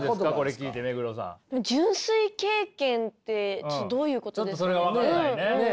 「純粋経験」ってどういうことですかね？